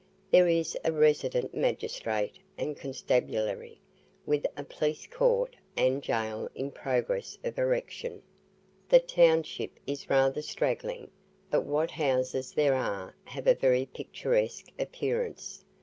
There is a resident magistrate and constabulary, with a police court and gaol in progress of erection. The township is rather straggling, but what houses there are have a very picturesque appearance.